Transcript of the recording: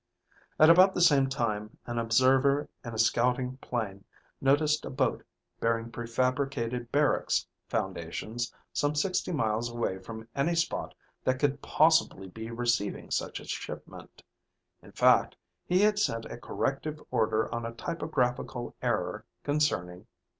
At about the same time, an observer in a scouting plane noticed a boat bearing prefabricated barracks foundations some sixty miles away from any spot that could possibly be receiving such a shipment. In fact, he had sent a corrective order on a typographical error concerning